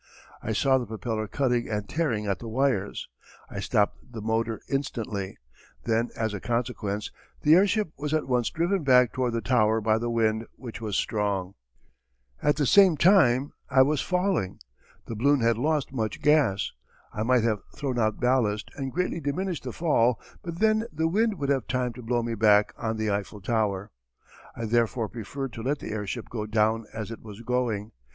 I saw the propeller cutting and tearing at the wires. I stopped the motor instantly. Then, as a consequence, the airship was at once driven back toward the tower by the wind which was strong. [Illustration: Photo by International Film Service Co. A Kite Balloon Rising from the Hold of a Ship.] At the same time I was falling. The balloon had lost much gas. I might have thrown out ballast and greatly diminished the fall, but then the wind would have time to blow me back on the Eiffel Tower. I therefore preferred to let the airship go down as it was going.